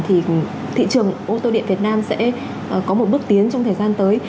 thì thị trường ô tô điện việt nam sẽ có một bước tiến trong thời gian tới